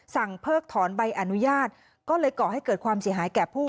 เพิกถอนใบอนุญาตก็เลยก่อให้เกิดความเสียหายแก่ผู้